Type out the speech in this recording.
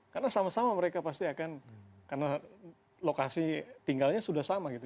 karena sama sama mereka pasti akan karena lokasi tinggalnya sudah sama